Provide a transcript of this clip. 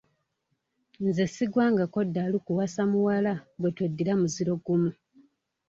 Nze sigwangako ddalu kuwasa muwala bwe tweddira muziro gumu.